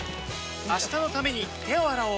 明日のために手を洗おう